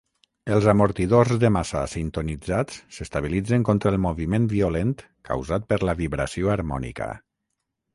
Els amortidors de massa sintonitzats s'estabilitzen contra el moviment violent causat per la vibració harmònica.